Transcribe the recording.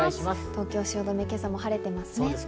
東京・汐留、今朝も晴れてますね。